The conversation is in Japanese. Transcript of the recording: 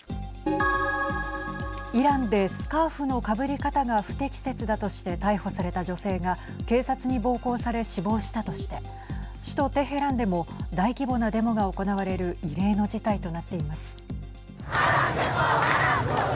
イランでスカーフのかぶり方が不適切だとして逮捕された女性が警察に暴行され、死亡したとして首都テヘランでも大規模なデモが行われる異例の事態となっています。